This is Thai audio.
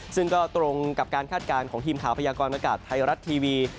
ซึ่งก็ตรงกับการคาดการณ์ของทีมข่าวพยากรณากาศไทยรัฐทีวี